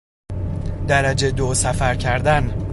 درجه دو سفر کردن